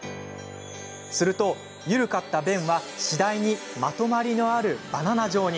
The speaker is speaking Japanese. すると、緩かった便は次第にまとまりのあるバナナ状に。